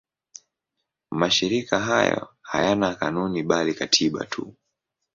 Mashirika hayo hayana kanuni bali katiba tu.